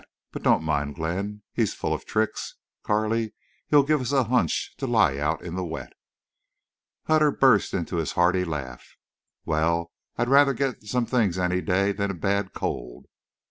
But don't mind Glenn. He's full of tricks, Carley. He'd give us a hunch to lie out in the wet." Hutter burst into his hearty laugh. "Wal, I'd rather get some things any day than a bad cold."